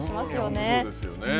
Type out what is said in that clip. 本当、そうですよね。